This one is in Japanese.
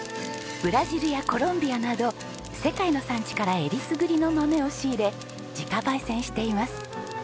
ブラジルやコロンビアなど世界の産地からえりすぐりの豆を仕入れ自家焙煎しています。